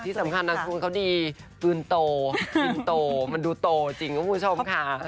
ที่สำคัญนางสุภาพเขาดีปืนโตมันดูโตจริงคุณผู้ชมค่ะ